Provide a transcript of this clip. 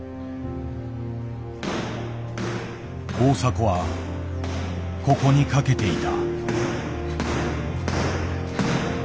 大迫はここにかけていた。